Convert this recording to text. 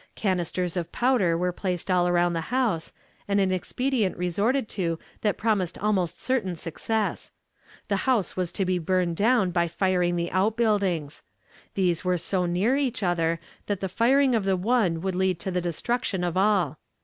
Canisters of powder were placed all around the house, and an expedient resorted to that promised almost certain success. The house was to be burned down by firing the outbuildings. These were so near each other that the firing of the one would lead to the destruction of all.